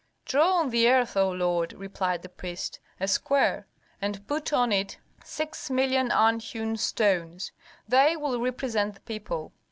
"'Draw on the earth, O lord,' replied the priest, 'a square, and put on it six million unhewn stones; they will represent the people.